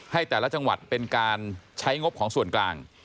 แต่ละจังหวัดเป็นการใช้งบของส่วนกลาง